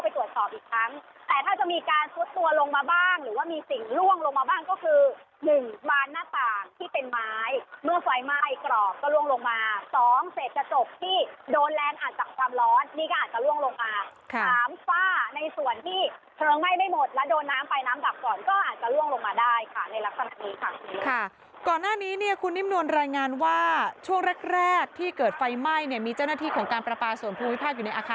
ที่โดนแลนด์อาจจากความร้อนนี่ก็อาจจะล่วงลงมาค่ะน้ำฝ้าในส่วนที่เผื้องไหม้ไม่หมดแล้วโดนน้ำไปน้ำดับก่อนก็อาจจะล่วงลงมาได้ค่ะในลักษณะนี้ค่ะค่ะก่อนหน้านี้เนี้ยคุณนิ้มนวลรายงานว่าช่วงแรกแรกที่เกิดไฟไหม้เนี้ยมีเจ้าหน้าที่ของการปราปาส่วนภูมิภาพอยู่ในอาค